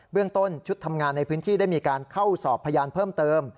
เรื่องต้นชุดทำงานในพื้นที่ได้มีการเข้าสอบพยานเพิ่มเติม